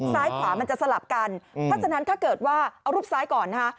ซ้ายขวามันจะสลับกันเพราะฉะนั้นถ้าเกิดว่าเอารูปซ้ายก่อนนะคะ